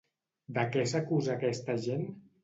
De què s'acusa aquesta gent?